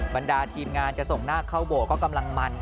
บรรดาทีมงานจะส่งหน้าเข้าโบสถ์ก็กำลังมัน